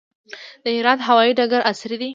د هرات هوايي ډګر عصري دی